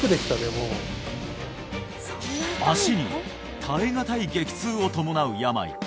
もう足に耐え難い激痛を伴う病